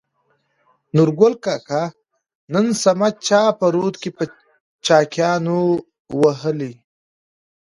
نورګل کاکا : نن صمد چا په رود کې په چاقيانو ووهلى.